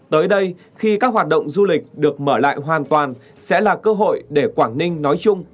tới đây khi các hoạt động du lịch được mở lại hoàn toàn sẽ là cơ hội để quảng ninh nói chung